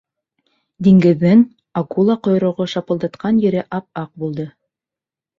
Диңгеҙҙең акула ҡойроғо шапылдатҡан ере ап-аҡ булды.